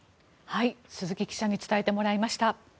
鈴木記者に伝えてもらいました。